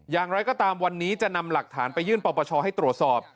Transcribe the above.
อย่างไรก็ตามวันนี้จะนำหลักฐานไปยื่นปปชให้ตรวจสอบ